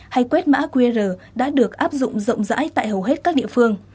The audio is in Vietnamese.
hay quét mã qr đã được áp dụng rộng rãi tại hầu hết các địa phương